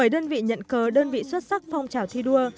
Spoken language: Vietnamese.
bảy đơn vị nhận cờ đơn vị xuất sắc phong trào thi đua